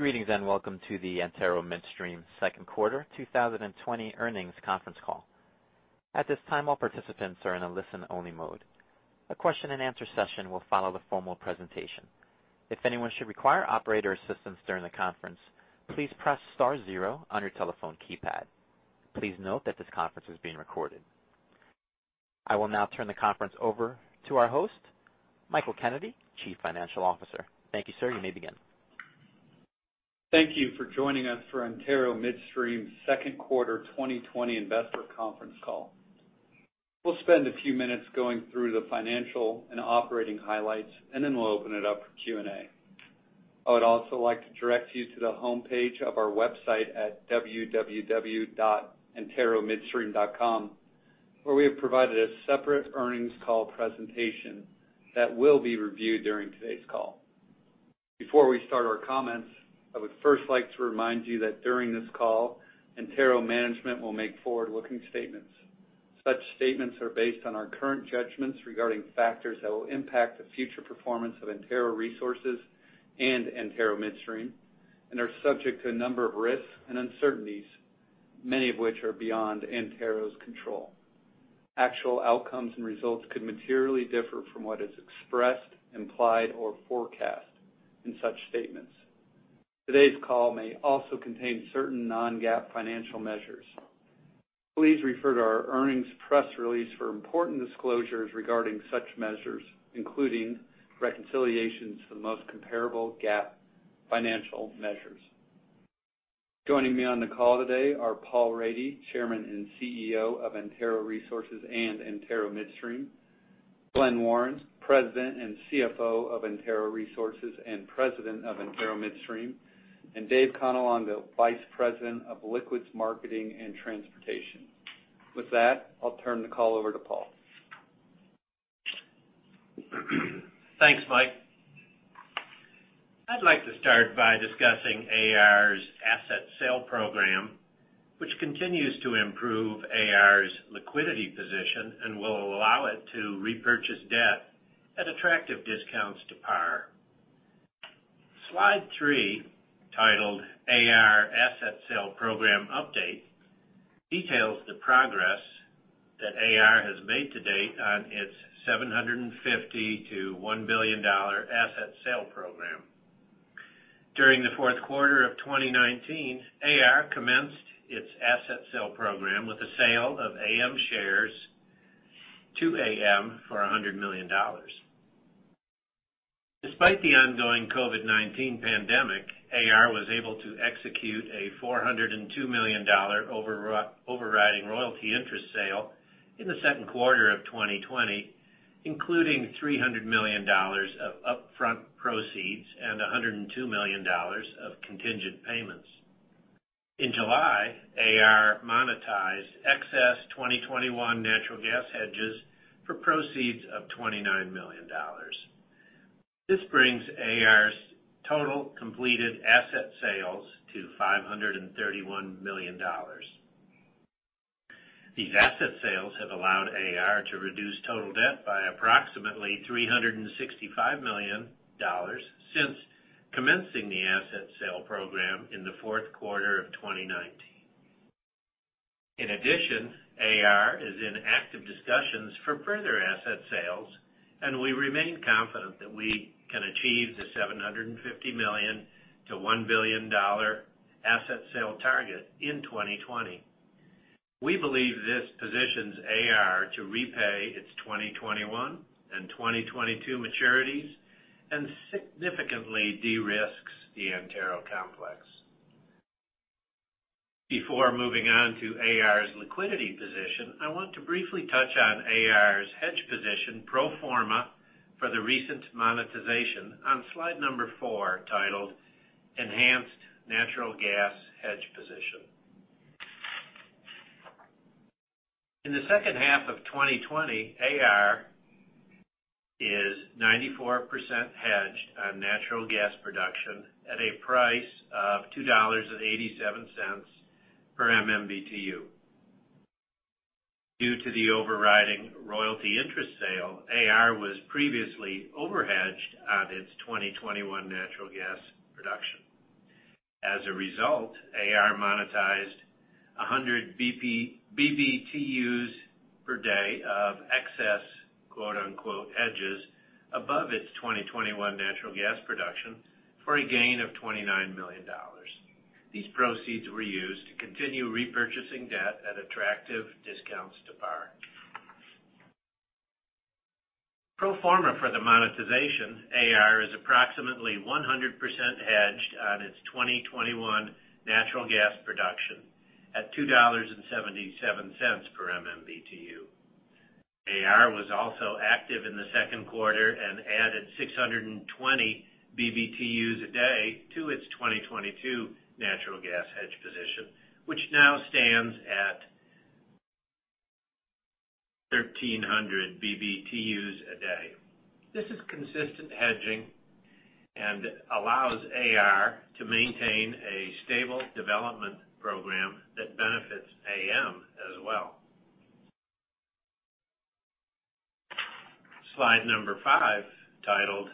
Greetings, welcome to the Antero Midstream second quarter 2020 earnings conference call. At this time, all participants are in a listen-only mode. A question and answer session will follow the formal presentation. If anyone should require operator assistance during the conference, please press star zero on your telephone keypad. Please note that this conference is being recorded. I will now turn the conference over to our host, Michael Kennedy, Chief Financial Officer. Thank you, sir. You may begin. Thank you for joining us for Antero Midstream's second quarter 2020 investor conference call. We'll spend a few minutes going through the financial and operating highlights, and then we'll open it up for Q&A. I would also like to direct you to the homepage of our website at www.anteromidstream.com, where we have provided a separate earnings call presentation that will be reviewed during today's call. Before we start our comments, I would first like to remind you that during this call, Antero management will make forward-looking statements. Such statements are based on our current judgments regarding factors that will impact the future performance of Antero Resources and Antero Midstream and are subject to a number of risks and uncertainties, many of which are beyond Antero's control. Actual outcomes and results could materially differ from what is expressed, implied, or forecast in such statements. Today's call may also contain certain non-GAAP financial measures. Please refer to our earnings press release for important disclosures regarding such measures, including reconciliations to the most comparable GAAP financial measures. Joining me on the call today are Paul Rady, Chairman and CEO of Antero Resources and Antero Midstream, Glen Warren, President and CFO of Antero Resources and President of Antero Midstream, and David Cannelongo, the Vice President of Liquids Marketing and Transportation. With that, I'll turn the call over to Paul. Thanks, Michael. I'd like to start by discussing AR's asset sale program, which continues to improve AR's liquidity position and will allow it to repurchase debt at attractive discounts to par. Slide three, titled AR Asset Sale Program Update, details the progress that AR has made to date on its $750 million-$1 billion asset sale program. During the fourth quarter of 2019, AR commenced its asset sale program with the sale of AM shares to AM for $100 million. Despite the ongoing COVID-19 pandemic, AR was able to execute a $402 million overriding royalty interest sale in the second quarter of 2020, including $300 million of upfront proceeds and $102 million of contingent payments. In July, AR monetized excess 2021 natural gas hedges for proceeds of $29 million. This brings AR's total completed asset sales to $531 million. These asset sales have allowed AR to reduce total debt by approximately $365 million since commencing the asset sale program in the fourth quarter of 2019. In addition, AR is in active discussions for further asset sales, and we remain confident that we can achieve the $750 million-$1 billion asset sale target in 2020. We believe this positions AR to repay its 2021 and 2022 maturities and significantly de-risks the Antero complex. Before moving on to AR's liquidity position, I want to briefly touch on AR's hedge position pro forma for the recent monetization on slide number four, titled Enhanced Natural Gas Hedge Position. In the second half of 2020, AR is 94% hedged on natural gas production at a price of $2.87 per MMBTU. Due to the overriding royalty interest sale, AR was previously over-hedged on its 2021 natural gas production. As a result, AR monetized 100 BBtu per day of excess, quote-unquote "hedges" above its 2021 natural gas production for a gain of $29 million. These proceeds were used to continue repurchasing debt at attractive discounts to par. Pro forma for the monetization, AR is approximately 100% hedged on its 2021 natural gas production at $2.77 per MMBTU. AR was also active in the second quarter and added 620 BBtu a day to its 2022 natural gas hedge position, which now stands at 1,300 BBtu a day. This is consistent hedging and allows AR to maintain a stable development program. Slide number five, titled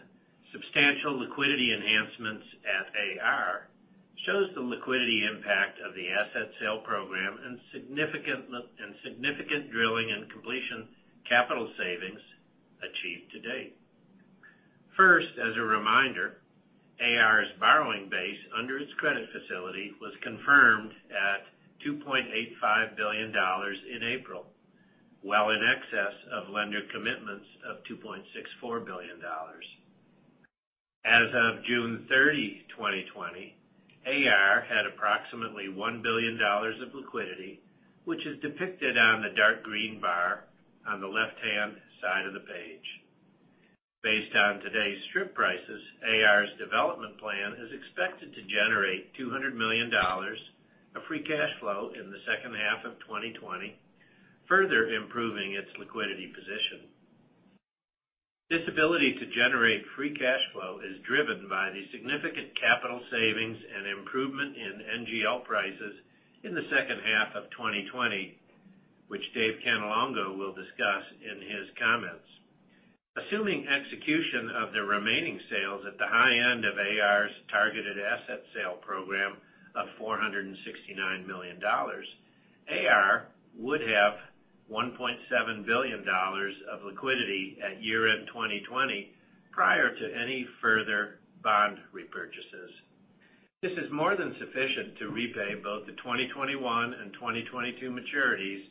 'Substantial Liquidity Enhancements at AR,' shows the liquidity impact of the asset sale program and significant drilling and completion capital savings achieved to date. First, as a reminder, AR's borrowing base under its credit facility was confirmed at $2.85 billion in April, well in excess of lender commitments of $2.64 billion. As of June 30, 2020, AR had approximately $1 billion of liquidity, which is depicted on the dark green bar on the left-hand side of the page. Based on today's strip prices, AR's development plan is expected to generate $200 million of free cash flow in the second half of 2020, further improving its liquidity position. This ability to generate free cash flow is driven by the significant capital savings and improvement in NGL prices in the second half of 2020, which David Cannelongo will discuss in his comments. Assuming execution of the remaining sales at the high end of AR's targeted asset sale program of $469 million, AR would have $1.7 billion of liquidity at year-end 2020, prior to any further bond repurchases. This is more than sufficient to repay both the 2021 and 2022 maturities,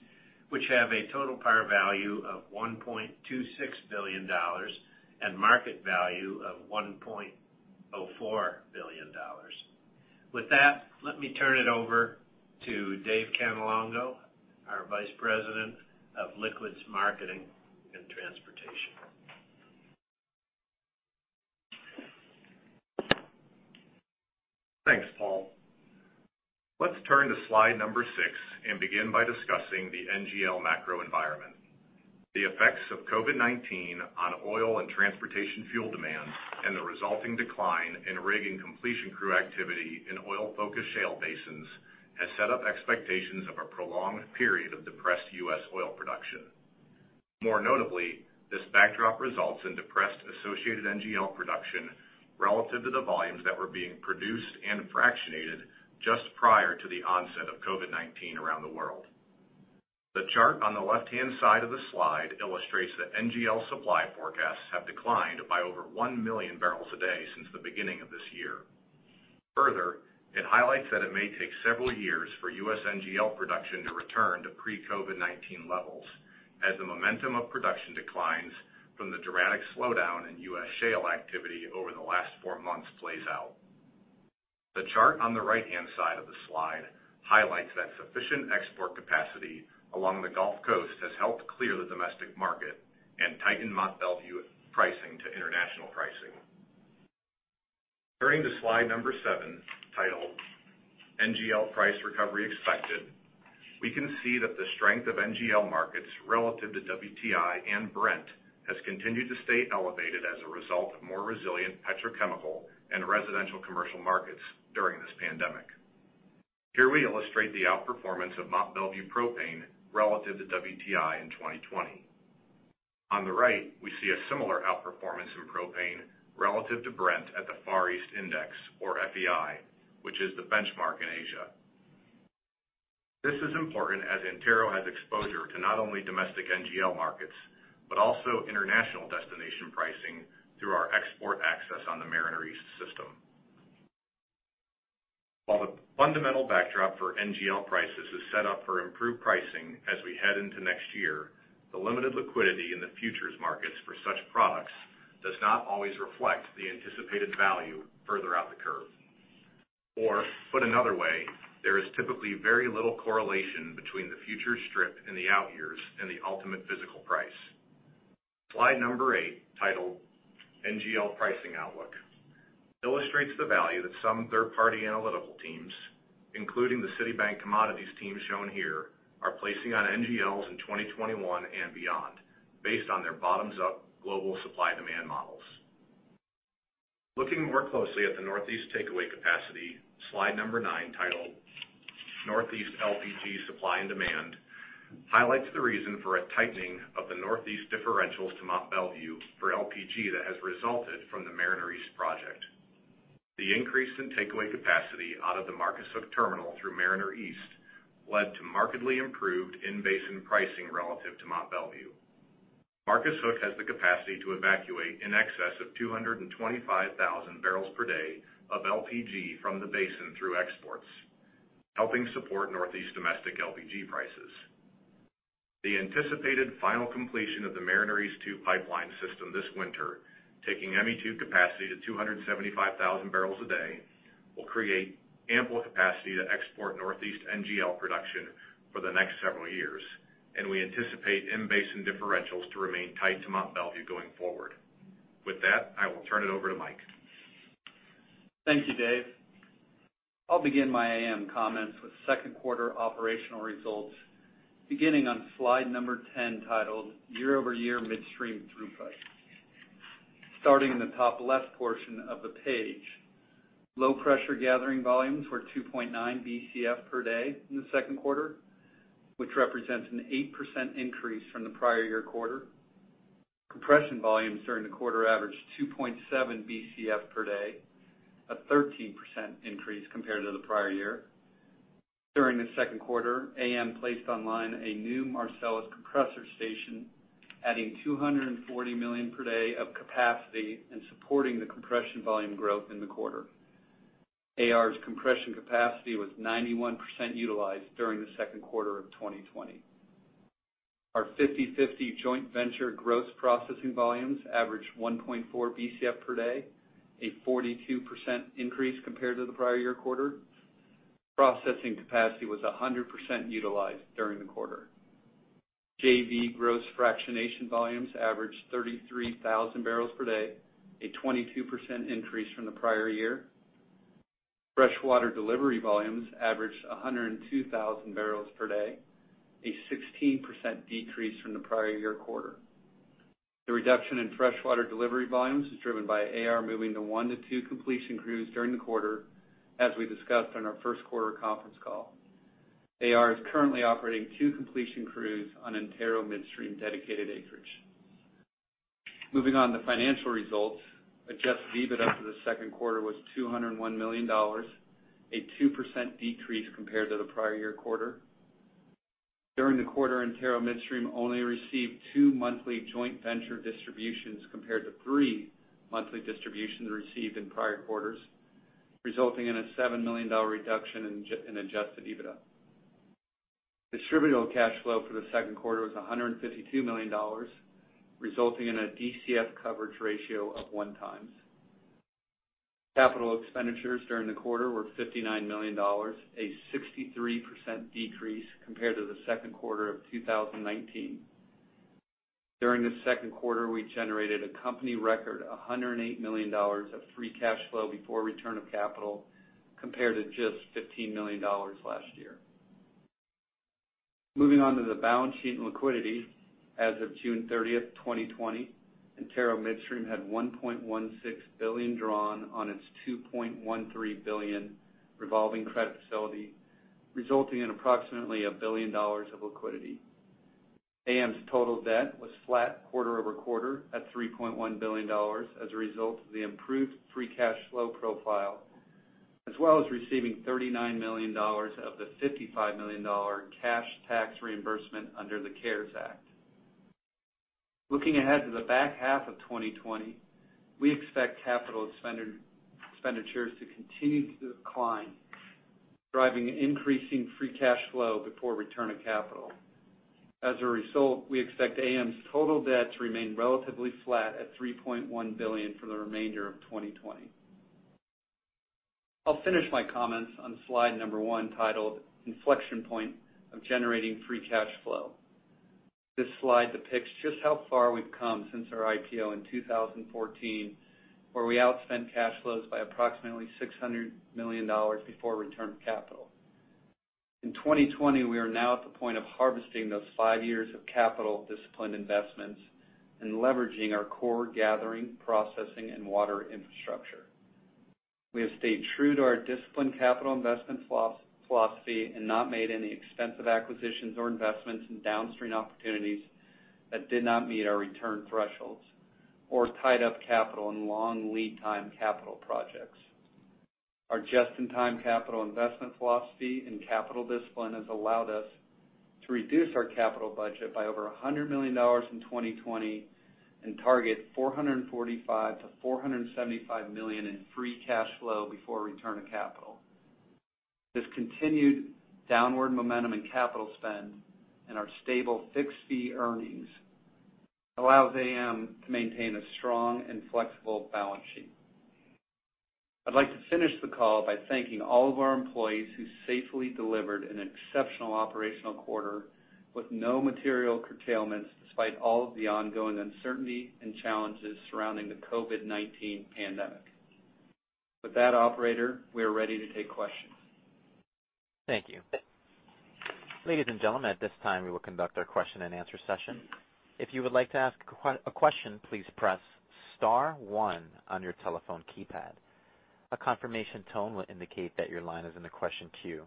which have a total par value of $1.26 billion and market value of $1.04 billion. With that, let me turn it over to David Cannelongo, our Vice President of Liquids Marketing and Transportation. Thanks, Paul. Let's turn to slide number six and begin by discussing the NGL macro environment. The effects of COVID-19 on oil and transportation fuel demand and the resulting decline in rig and completion crew activity in oil-focused shale basins has set up expectations of a prolonged period of depressed US oil production. More notably, this backdrop results in depressed associated NGL production relative to the volumes that were being produced and fractionated just prior to the onset of COVID-19 around the world. The chart on the left-hand side of the slide illustrates that NGL supply forecasts have declined by over 1 million barrels a day since the beginning of this year. Further, it highlights that it may take several years for US NGL production to return to pre-COVID-19 levels, as the momentum of production declines from the dramatic slowdown in US shale activity over the last four months plays out. The chart on the right-hand side of the slide highlights that sufficient export capacity along the Gulf Coast has helped clear the domestic market and tightened Mont Belvieu pricing to international pricing. Turning to slide number seven, titled "NGL Price Recovery Expected," we can see that the strength of NGL markets relative to WTI and Brent has continued to stay elevated as a result of more resilient petrochemical and residential commercial markets during this pandemic. Here we illustrate the outperformance of Mont Belvieu propane relative to WTI in 2020. On the right, we see a similar outperformance in propane relative to Brent at the Far East Index, or FEI, which is the benchmark in Asia. This is important as Antero has exposure to not only domestic NGL markets, but also international destination pricing through our export access on the Mariner East system. While the fundamental backdrop for NGL prices is set up for improved pricing as we head into next year, the limited liquidity in the futures markets for such products does not always reflect the anticipated value further out the curve. Put another way, there is typically very little correlation between the future strip and the out-years in the ultimate physical price. Slide number eight, titled "NGL Pricing Outlook," illustrates the value that some third-party analytical teams, including the Citibank commodities team shown here, are placing on NGLs in 2021 and beyond based on their bottoms-up global supply-demand models. Looking more closely at the Northeast takeaway capacity, slide number nine, titled "Northeast LPG Supply and Demand," highlights the reason for a tightening of the Northeast differentials to Mont Belvieu for LPG that has resulted from the Mariner East project. The increase in takeaway capacity out of the Marcus Hook terminal through Mariner East led to markedly improved in-basin pricing relative to Mont Belvieu. Marcus Hook has the capacity to evacuate in excess of 225,000 barrels per day of LPG from the basin through exports, helping support Northeast domestic LPG prices. The anticipated final completion of the Mariner East 2 pipeline system this winter, taking ME2 capacity to 275,000 barrels a day, will create ample capacity to export Northeast NGL production for the next several years, and we anticipate in-basin differentials to remain tight to Mont Belvieu going forward. With that, I will turn it over to Michael. Thank you, David. I'll begin my AM comments with second quarter operational results beginning on slide number 10, titled "Year-over-Year Midstream Throughput. Starting in the top left portion of the page. Low pressure gathering volumes were 2.9 Bcf per day in the second quarter, which represents an 8% increase from the prior year quarter. Compression volumes during the quarter averaged 2.7 Bcf per day, a 13% increase compared to the prior year. During the second quarter, AM placed online a new Marcellus compressor station, adding 240 million per day of capacity and supporting the compression volume growth in the quarter. AR's compression capacity was 91% utilized during the second quarter of 2020. Our 50/50 joint venture gross processing volumes averaged 1.4 Bcf per day, a 42% increase compared to the prior year quarter. Processing capacity was 100% utilized during the quarter. JV gross fractionation volumes averaged 33,000 barrels per day, a 22% increase from the prior year. Freshwater delivery volumes averaged 102,000 barrels per day, a 16% decrease from the prior-year quarter. The reduction in freshwater delivery volumes is driven by AR moving to one to two completion crews during the quarter, as we discussed on our first quarter conference call. AR is currently operating two completion crews on Antero Midstream dedicated acreage. Moving on to financial results. Adjusted EBITDA for the second quarter was $201 million, a 2% decrease compared to the prior-year quarter. During the quarter, Antero Midstream only received two monthly joint venture distributions compared to three monthly distributions received in prior quarters, resulting in a $7 million reduction in adjusted EBITDA. Distributable cash flow for the second quarter was $152 million, resulting in a DCF coverage ratio of one times. Capital expenditures during the quarter were $59 million, a 63% decrease compared to the second quarter of 2019. During the second quarter, we generated a company record, $108 million of free cash flow before return of capital, compared to just $15 million last year. Moving on to the balance sheet and liquidity. As of June 30th, 2020, Antero Midstream had $1.16 billion drawn on its $2.13 billion revolving credit facility, resulting in approximately $1 billion of liquidity. AM's total debt was flat quarter-over-quarter at $3.1 billion as a result of the improved free cash flow profile, as well as receiving $39 million of the $55 million cash tax reimbursement under the CARES Act. Looking ahead to the back half of 2020, we expect capital expenditures to continue to decline, driving increasing free cash flow before return of capital. As a result, we expect AM's total debt to remain relatively flat at $3.1 billion for the remainder of 2020. I'll finish my comments on slide number one titled Inflection Point of Generating Free Cash Flow. This slide depicts just how far we've come since our IPO in 2014, where we outspend cash flows by approximately $600 million before return of capital. In 2020, we are now at the point of harvesting those five years of capital discipline investments and leveraging our core gathering, processing, and water infrastructure. We have stayed true to our discipline capital investment philosophy and not made any extensive acquisitions or investments in downstream opportunities that did not meet our return thresholds or tied up capital in long lead time capital projects. Our just-in-time capital investment philosophy and capital discipline has allowed us to reduce our capital budget by over $100 million in 2020 and target $445 million-$475 million in free cash flow before return of capital. This continued downward momentum in capital spend and our stable fixed fee earnings allows AM to maintain a strong and flexible balance sheet. I'd like to finish the call by thanking all of our employees who safely delivered an exceptional operational quarter with no material curtailments despite all of the ongoing uncertainty and challenges surrounding the COVID-19 pandemic. With that operator, we are ready to take questions. Thank you. Ladies and gentlemen, at this time, we will conduct our question and answer session. If you would like to ask a question, please press star one on your telephone keypad. A confirmation tone will indicate that your line is in the question queue.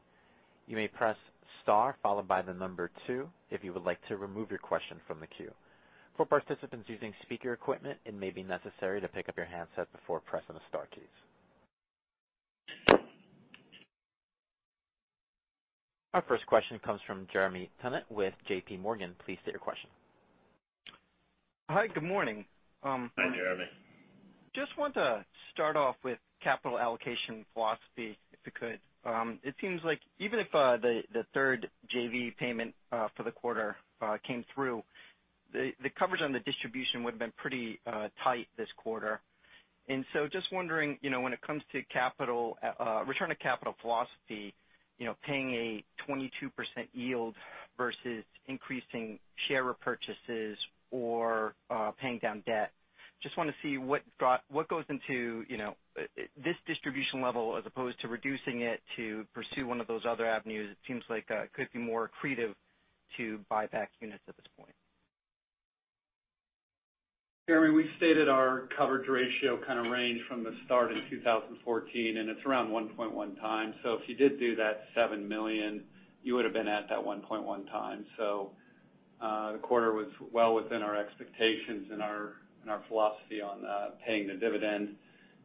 You may press star followed by the number two if you would like to remove your question from the queue. For participants using speaker equipment, it may be necessary to pick up your handset before pressing the star keys. Our first question comes from Jeremy Tonet with J.P. Morgan. Please state your question. Hi, good morning. Hi, Jeremy. Just want to start off with capital allocation philosophy, if I could. It seems like even if the third JV payment for the quarter came through, the coverage on the distribution would have been pretty tight this quarter. Just wondering, when it comes to return of capital philosophy, paying a 22% yield versus increasing share repurchases or paying down debt. Just want to see what goes into this distribution level as opposed to reducing it to pursue one of those other avenues. It seems like it could be more accretive to buy back units at this point. Jeremy, we stated our coverage ratio kind of range from the start in 2014. It's around 1.1 times. If you did do that $7 million, you would've been at that 1.1 time. The quarter was well within our expectations and our philosophy on paying the dividend.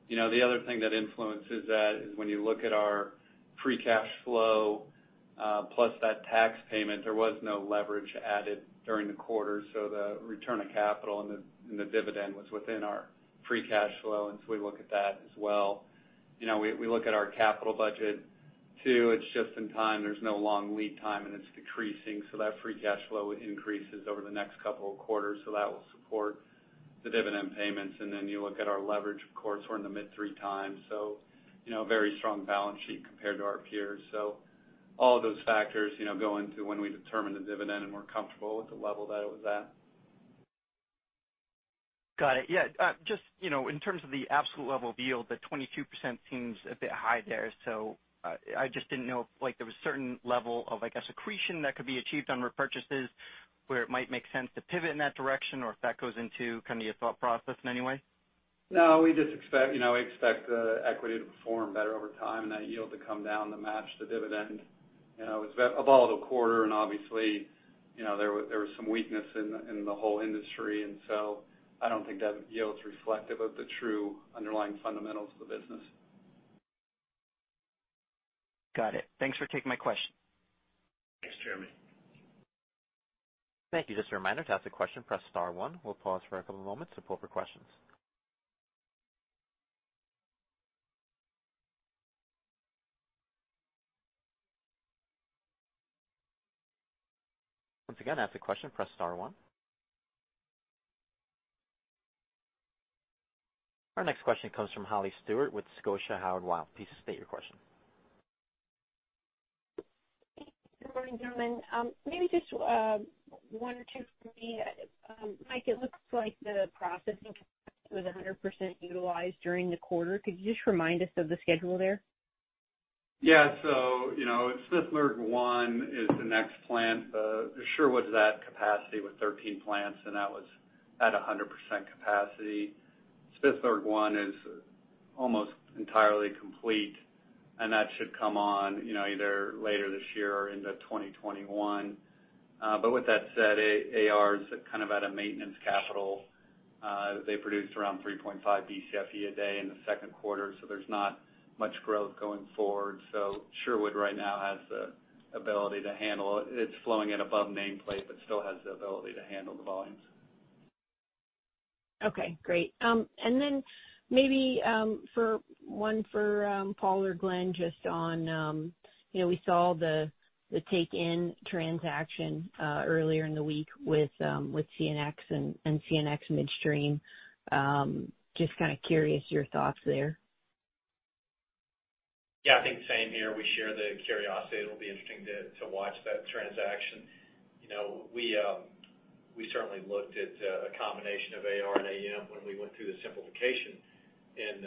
The other thing that influences that is when you look at our free cash flow, plus that tax payment, there was no leverage added during the quarter. The return of capital and the dividend was within our free cash flow. We look at that as well. We look at our capital budget too. It's just in time. There's no long lead time, and it's decreasing. That free cash flow increases over the next couple of quarters. That will support the dividend payments. You look at our leverage. Of course, we're in the mid 3x, very strong balance sheet compared to our peers. All of those factors go into when we determine the dividend, and we're comfortable with the level that it was at. Got it. Yeah. Just in terms of the absolute level of yield, the 22% seems a bit high there. I just didn't know if there was a certain level of accretion that could be achieved on repurchases where it might make sense to pivot in that direction or if that goes into your thought process in any way. No. We expect the equity to perform better over time and that yield to come down to match the dividend. It was a volatile quarter and obviously, there was some weakness in the whole industry. I don't think that yield is reflective of the true underlying fundamentals of the business. Got it. Thanks for taking my question. Thanks, Jeremy. Thank you. Just a reminder, to ask a question, press star one. We'll pause for a couple of moments to pull for questions. Once again, to ask a question, press star one. Our next question comes from Holly Stewart with Scotia Howard Weil. Please state your question. Good morning, gentlemen. Maybe just one or two from me. Michael, it looks like the processing capacity was 100% utilized during the quarter. Could you just remind us of the schedule there? Yeah. Smithsburg 1 is the next plant. Sherwood's at capacity with 13 plants, that was at 100% capacity. Smithburg 1 is almost entirely complete, that should come on either later this year or into 2021. With that said, AR is kind of at a maintenance capital. They produced around 3.5 Bcfe a day in the second quarter, there's not much growth going forward. Sherwood right now has the ability to handle. It's flowing at above nameplate, still has the ability to handle the volumes. Okay, great. Maybe one for Paul or Glen, just we saw the take-in transaction earlier in the week with CNX and CNX Midstream. Just kind of curious your thoughts there. I think same here. We share the curiosity. It will be interesting to watch that transaction. We certainly looked at a combination of AR and AM when we went through the simplification in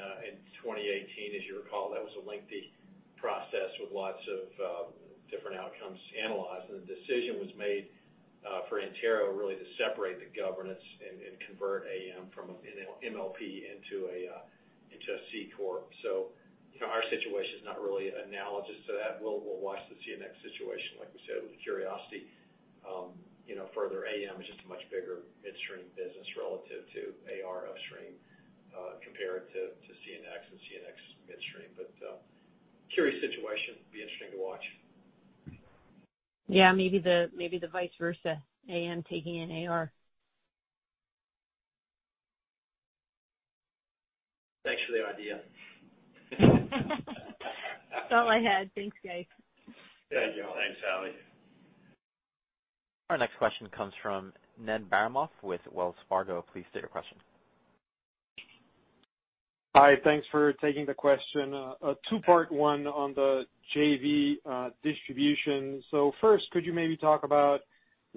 2018. As you recall, that was a lengthy process with lots of different outcomes analyzed, the decision was made for Antero really to separate the governance and convert AM from an MLP into a C corp. Our situation is not really analogous to that. We will watch the CNX situation, like we said, with curiosity. Further, AM is just a much bigger midstream business relative to AR upstream, compared to CNX and CNX Midstream. Curious situation. Be interesting to watch. Yeah, maybe the vice versa. AM taking in AR. It's actually our idea. It's all I had. Thanks, guys. Yeah. Thanks, Holly. Our next question comes from Ned Baramoff with Wells Fargo. Please state your question. Hi. Thanks for taking the question. A two-part one on the JV distribution. First, could you maybe talk about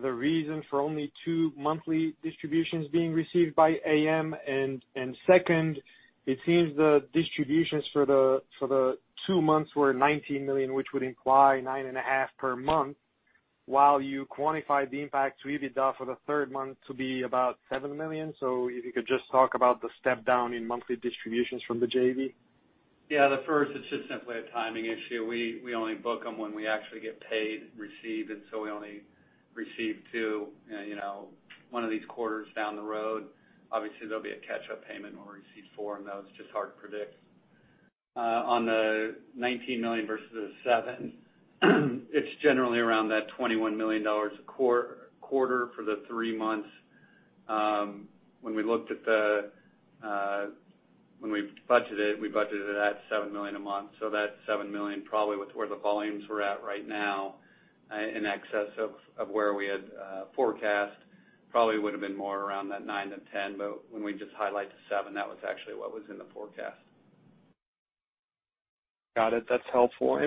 the reason for only two monthly distributions being received by AM? Second, it seems the distributions for the two months were $19 million, which would imply $nine and a half per month, while you quantified the impact to EBITDA for the third month to be about $7 million. If you could just talk about the step-down in monthly distributions from the JV. It's just simply a timing issue. We only book them when we actually get paid, received. We only received two. One of these quarters down the road, obviously, there'll be a catch-up payment when we receive four. That was just hard to predict. On the $19 million versus the $7 million, it's generally around that $21 million a quarter for the three months. When we budgeted it, we budgeted it at $7 million a month. That $7 million probably was where the volumes were at right now, in excess of where we had forecast. Probably would've been more around that $9 million-$10 million. When we just highlight the $7 million, that was actually what was in the forecast. Got it. That's helpful.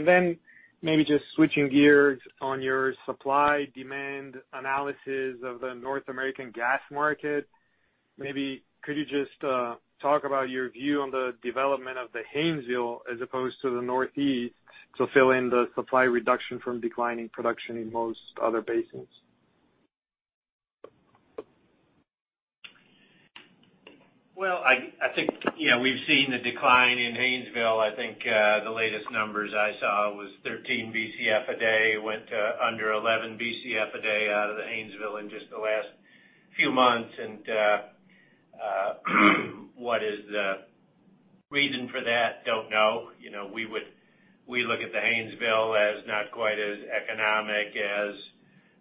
Maybe just switching gears on your supply-demand analysis of the North American gas market. Maybe could you just talk about your view on the development of the Haynesville as opposed to the Northeast to fill in the supply reduction from declining production in most other basins? Well, I think we've seen the decline in Haynesville. I think the latest numbers I saw was 13 Bcf a day. It went to under 11 Bcf a day out of the Haynesville in just the last few months. What is the reason for that? Don't know. We look at the Haynesville as not quite as economic as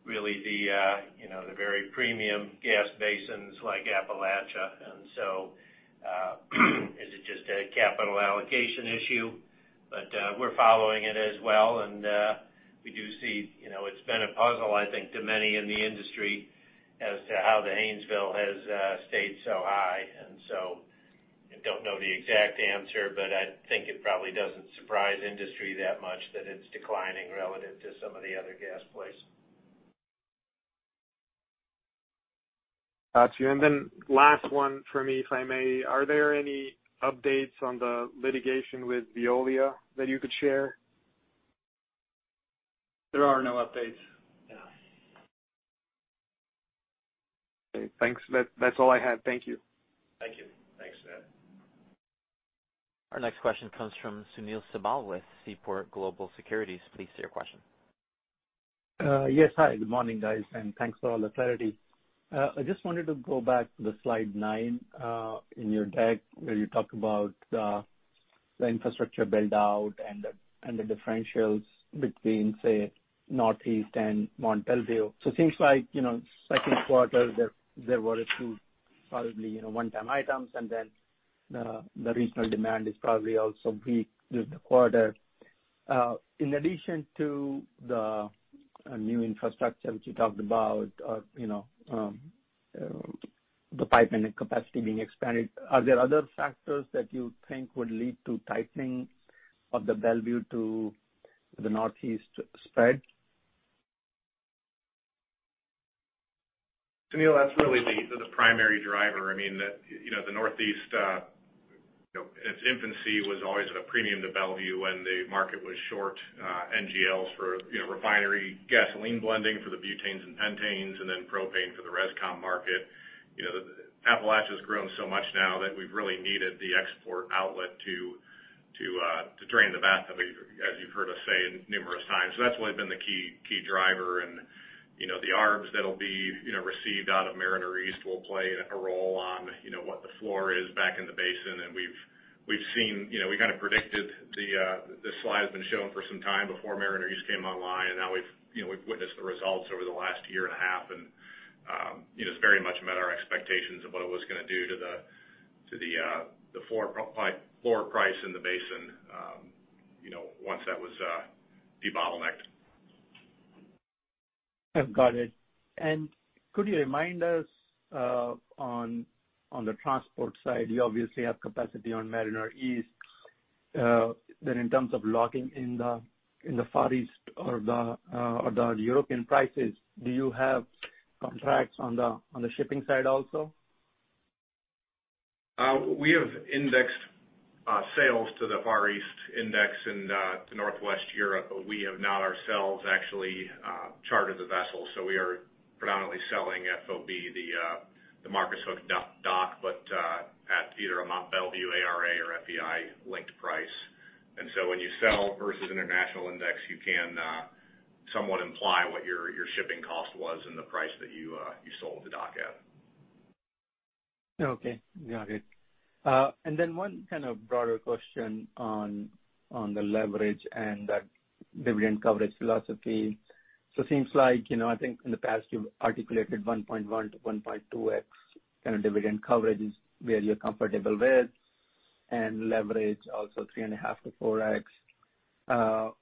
really the very premium gas basins like Appalachia. Is it just a capital allocation issue? We're following it as well, and we do see it's been a puzzle, I think, to many in the industry as to how the Haynesville has stayed so high. I don't know the exact answer, but I think it probably doesn't surprise industry that much that it's declining relative to some of the other gas places. Got you. Last one for me, if I may. Are there any updates on the litigation with Veolia that you could share? There are no updates, no. Okay, thanks. That's all I had. Thank you. Thank you. Thanks, Ned. Our next question comes from Sunil Sibal with Seaport Global Securities. Please state your question. Yes. Hi, good morning, guys, and thanks for all the clarity. I just wanted to go back to the slide nine in your deck where you talked about the infrastructure build-out and the differentials between, say, Northeast and Mont Belvieu. It seems like second quarter there were a few probably one-time items, and then the regional demand is probably also weak this quarter. In addition to the new infrastructure which you talked about, the pipe and the capacity being expanded, are there other factors that you think would lead to tightening of the Belvieu to the Northeast spread? Sunil, that's really the primary driver. I mean, the Northeast, its infancy was always at a premium to Belvieu when the market was short NGLs for refinery gasoline blending for the butanes and pentanes, and then propane for the res/com market. Appalachia's grown so much now that we've really needed the export outlet to drain the bath, as you've heard us say numerous times. That's really been the key driver, and the arbs that'll be received out of Mariner East will play a role on what the floor is back in the basin. We kind of predicted this slide has been shown for some time before Mariner East came online, and now we've witnessed the results over the last year and a half, and it's very much met our expectations of what it was going to do to the floor price in the basin once that was debottlenecked. I've got it. Could you remind us on the transport side, you obviously have capacity on Mariner East. In terms of locking in the Far East or the European prices, do you have contracts on the shipping side also? We have indexed sales to the Far East Index and to Northwest Europe, but we have not ourselves actually chartered the vessel. We are predominantly selling FOB, the Marcus Hook dock, but at either a Mont Belvieu ARA or FEI linked price. When you sell versus international index, you can somewhat imply what your shipping cost was and the price that you sold the dock at. Okay. Got it. One kind of broader question on the leverage and that dividend coverage philosophy. It seems like, I think in the past you've articulated 1.1x-1.2x kind of dividend coverage is where you're comfortable with, and leverage also 3.5x-4x.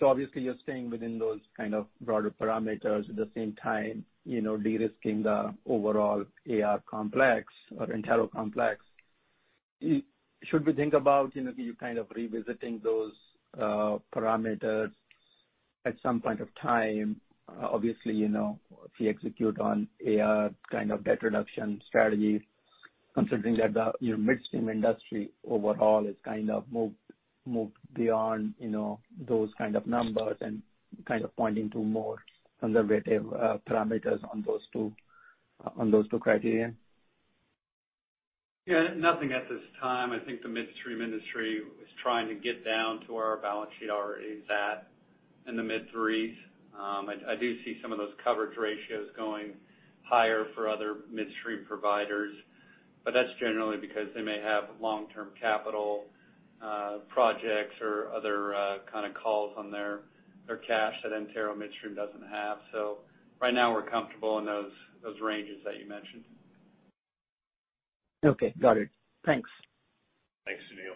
Obviously you're staying within those kind of broader parameters, at the same time de-risking the overall AR complex or Antero complex. Should we think about you kind of revisiting those parameters at some point of time? Obviously, if we execute on AR kind of debt reduction strategy, considering that the midstream industry overall is kind of moved beyond those kind of numbers and kind of pointing to more conservative parameters on those two criteria. Yeah, nothing at this time. I think the midstream industry is trying to get down to where our balance sheet already is at, in the mid threes. I do see some of those coverage ratios going higher for other midstream providers, but that's generally because they may have long-term capital projects or other kind of calls on their cash that Antero Midstream doesn't have. Right now we're comfortable in those ranges that you mentioned. Okay, got it. Thanks. Thanks, Sunil.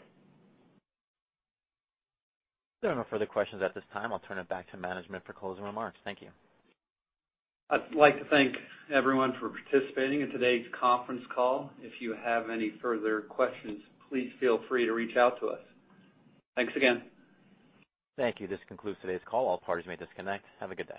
There are no further questions at this time. I'll turn it back to management for closing remarks. Thank you. I'd like to thank everyone for participating in today's conference call. If you have any further questions, please feel free to reach out to us. Thanks again. Thank you. This concludes today's call. All parties may disconnect. Have a good day.